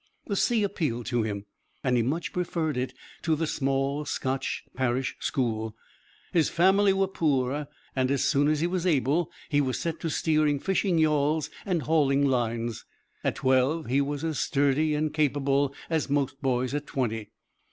The sea appealed to him, and he much preferred it to the small Scotch parish school. His family were poor, and as soon as he was able he was set to steering fishing yawls and hauling lines. At twelve he was as sturdy and capable as most boys at twenty.